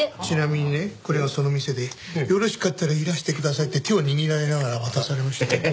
ちなみにねこれがその店で「よろしかったらいらしてください」って手を握られながら渡されましたよ。